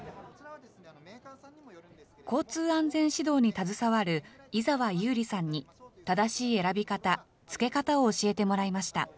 交通安全指導に携わる井澤夕里さんに、正しい選び方、着け方を教えてもらいました。